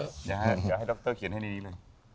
อยากให้ดรเขียนมาเดี๋ยวเลย